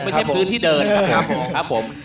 ไม่ใช่พื้นที่เดินนะครับผม